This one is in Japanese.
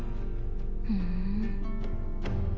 ふん。